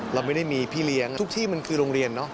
เราไม่ได้มีพี่เลี้ยงทุกที่มันคือโรงเรียนเนอะ